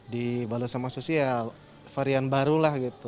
di balai sama sushi ya varian baru lah gitu